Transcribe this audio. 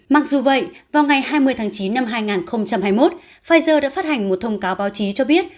mặc dù vậy vào ngày hai mươi tháng chín năm hai nghìn hai mươi một pfizer đã phát hành một thông cáo báo chí cho biết